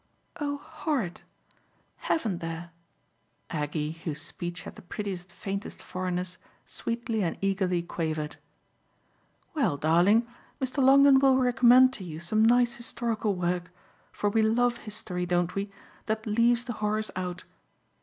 "Oh horrid HAVEN'T there?" Aggie, whose speech had the prettiest faintest foreignness, sweetly and eagerly quavered. "Well, darling, Mr. Longdon will recommend to you some nice historical work for we love history, don't we? that leaves the horrors out.